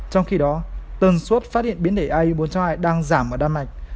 trong khi đó tần suốt phát hiện biến thể i bốn hai đang giảm ở đan mạch